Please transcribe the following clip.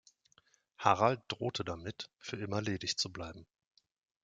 Harald drohte damit, für immer ledig zu bleiben.